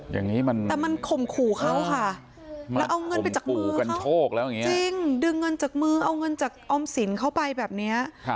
แต่มันข่มขู่เข้าค่ะแล้วเอาเงินไปจากมือเข้าจริงดึงเงินจากมือเอาเงินจากออมสินเข้าไปแบบเนี้ย